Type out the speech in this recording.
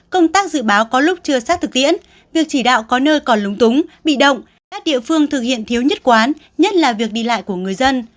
công tác dự báo có lúc chưa sát thực tiễn việc chỉ đạo có nơi còn lúng túng bị động các địa phương thực hiện thiếu nhất quán nhất là việc đi lại của người dân